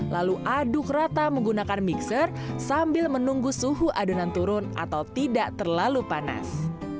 lalu aduk rata menggunakan mixer sambil menunggu suhu adonan turun atau tidak terlalu panas